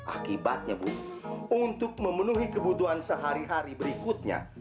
akibatnya bu untuk memenuhi kebutuhan sehari hari berikutnya